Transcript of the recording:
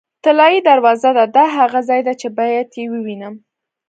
طلایي دروازه ده، دا هغه ځای دی چې باید یې ووینم.